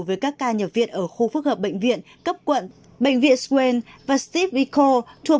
với các ca nhập viện ở khu phức hợp bệnh viện cấp quận bệnh viện swain và steve ecole thuộc